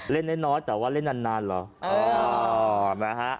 เล่นน้อยแต่ว่าเล่นนานเหรอ